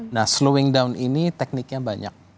nah slowing down ini tekniknya banyak